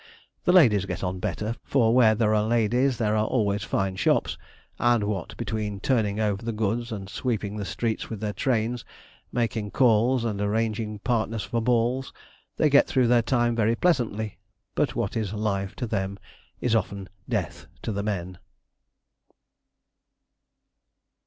The ladies get on better, for where there are ladies there are always fine shops, and what between turning over the goods, and sweeping the streets with their trains, making calls, and arranging partners for balls, they get through their time very pleasantly; but what is 'life' to them is often death to the men.